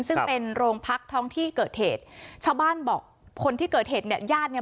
ซึ่งเป็นโรงพักท้องที่เกิดเหตุชาวบ้านบอกคนที่เกิดเหตุเนี่ยญาติเนี่ย